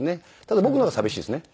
ただ僕の方が寂しいですね。